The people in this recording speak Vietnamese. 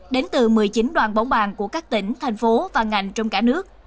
đến từ một mươi chín đoàn bóng bàn của các tỉnh thành phố và ngành trong cả nước